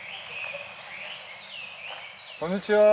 こんにちはー。